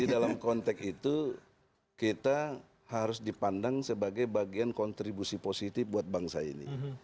di dalam konteks itu kita harus dipandang sebagai bagian kontribusi positif buat bangsa ini